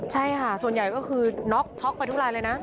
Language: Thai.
ใช่ค่ะส่วนใหญ่ก็คือน็อกช็อกไปทุกรายเลยนะ